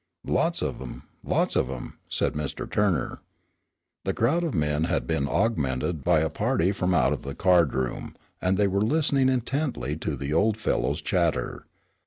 "Lots of 'em, lots of 'em," said Mr. Turner. The crowd of men had been augmented by a party from out of the card room, and they were listening intently to the old fellow's chatter.